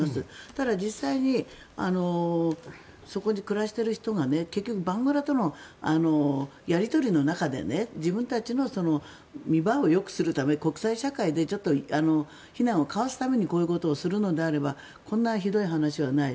ただ実際にそこで暮らしている人が結局バングラとのやり取りとの中で自分たちの見栄えをよくするため国際社会でちょっと非難をかわすためにこういうことをするのであればこんなひどい話はない。